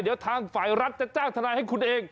เดี๋ยวทางฝ่ายรัฐจะจ้างทนายให้คุณเอง